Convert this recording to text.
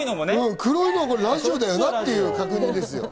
黒いのはラジオだよなっていう確認です。